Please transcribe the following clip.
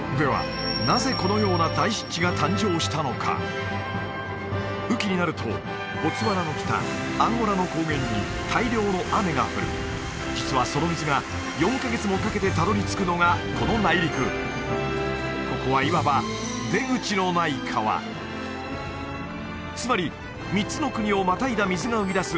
では雨期になるとボツワナの北アンゴラの高原に大量の雨が降る実はその水が４カ月もかけてたどり着くのがこの内陸ここはいわばつまり３つの国をまたいだ水が生み出す